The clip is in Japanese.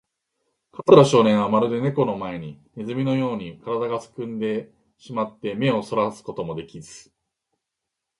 桂少年は、まるでネコの前のネズミのように、からだがすくんでしまって、目をそらすこともできず、